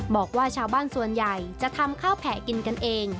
บอกว่าชาวบ้านส่วนใหญ่จะทำข้าวแผ่กินกันเอง